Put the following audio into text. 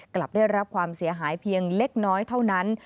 กลับได้รับความเสียหายเพียงเล็กน้อยเท่านั้น